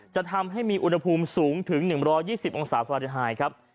จะทำให้มีอุณหภูมิสูงถึง๑๒๐องศาฟาเดไฮครับ